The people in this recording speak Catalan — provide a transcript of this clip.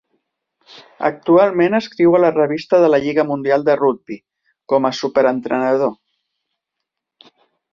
Actualment escriu a la revista de la lliga mundial de rugbi, com a "Súper-entrenador".